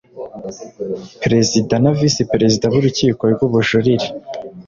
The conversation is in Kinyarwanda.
Perezida na Visi Perezida b Urukiko rw Ubujurire